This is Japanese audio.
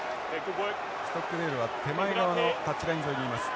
ストックデールは手前側のタッチライン沿いにいます。